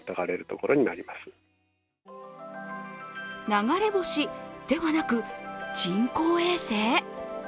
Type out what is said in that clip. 流れ星ではなく人工衛星？